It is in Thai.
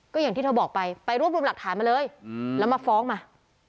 ก็อย่างที่เธอบอกไปไปรวบรวมหลักฐานมาเลยแล้วมาฟ้องมา